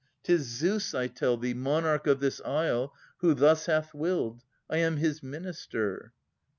'Tis Zeus, I tell thee, monarch of this isle, Who thus hath willed. I am his minister.